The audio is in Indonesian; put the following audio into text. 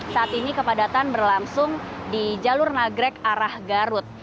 saat ini kepadatan berlangsung di jalur nagrek arah garut